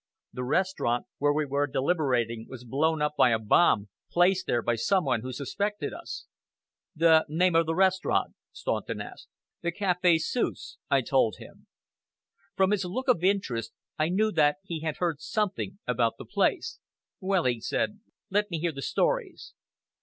The restaurant where we were deliberating was blown up by a bomb, placed there by some one who suspected us." "The name of the restaurant?" Staunton asked. "The Café Suisse," I told him. From his look of interest, I knew that he had heard something about the place. "Well," he said, "let me hear the stories."